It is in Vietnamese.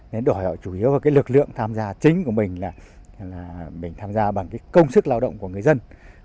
nên đòi hỏi chủ yếu vào cái lực lượng tham gia chính của mình là mình tham gia bằng cái công sức lao động của người dân